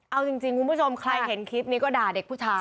เอาจริงคุณผู้ชมใครเห็นคลิปนี้ก็ด่าเด็กผู้ชาย